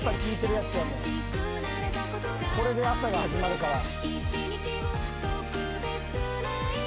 これで朝が始まるから。